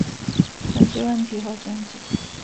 分析问题和症结